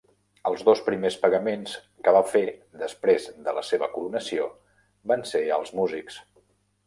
Els dos primers pagaments que va fer després de la seva coronació van ser als músics.